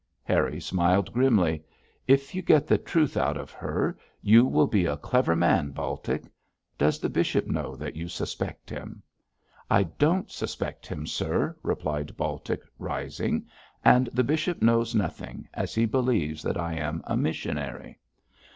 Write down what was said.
Harry smiled grimly. 'If you get the truth out of her you will be a clever man, Baltic. Does the bishop know that you suspect him?' 'I don't suspect him, sir,' replied Baltic, rising, 'and the bishop knows nothing, as he believes that I am a missionary.'